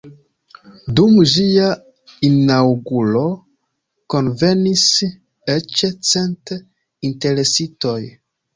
Dum ĝia inaŭguro kunvenis eĉ cent interesitoj.